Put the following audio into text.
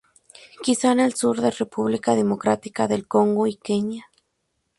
Quizá en el sur de República Democrática del Congo y Kenia.